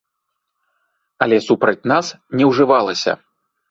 Але супраць нас не ўжывалася.